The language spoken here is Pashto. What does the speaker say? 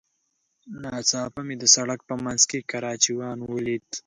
ناڅاپه مې د سړک په منځ کې کراچيوان وليد.